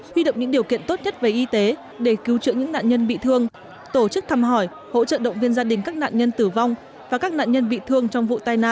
huy động những điều kiện tốt nhất về y tế để cứu chữa những nạn nhân bị thương tổ chức thăm hỏi hỗ trợ động viên gia đình các nạn nhân tử vong và các nạn nhân bị thương trong vụ tai nạn